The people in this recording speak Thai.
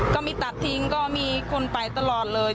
ก็ไม่ตัดทิ้งก็มีคนไปตลอดเลย